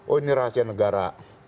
oh ini rahasia negara